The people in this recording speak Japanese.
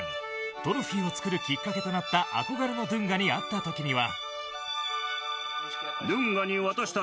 トロフィーを作るきっかけとなった憧れのドゥンガに会ったときには。